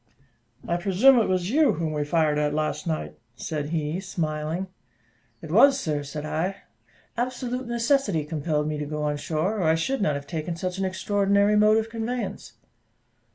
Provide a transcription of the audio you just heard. "I presume it was you whom we fired at last night?" said he, smiling. "It was, sir," said I; "absolute necessity compelled me to go on shore, or I should not have taken such an extraordinary mode of conveyance."